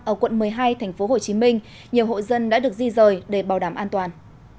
ở quận một mươi hai tp hcm nhiều hộ dân đã được di rời để bảo đảm an toàn